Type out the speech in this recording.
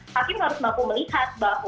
hakim harus mampu melihat bahwa